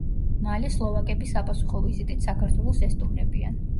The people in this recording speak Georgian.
მალე სლოვაკები საპასუხო ვიზიტით საქართველოს ესტუმრებიან.